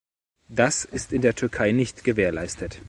Das ist in der Türkei nicht gewährleistet.